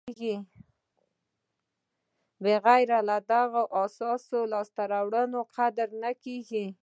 بغیر له دغه احساسه د لاسته راوړنو قدر نه کېږي.